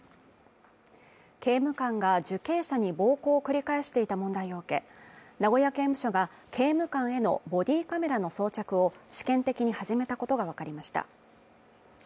刑務官が受刑者に暴行を繰り返していた問題を受け名古屋刑務所が刑務官へのボディーカメラの装着を試験的に始めたことがわかりました。